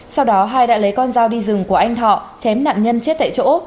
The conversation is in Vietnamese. sau đó hai đã lấy con dao đi rừng của anh thọ chém nạn nhân chết tại chỗ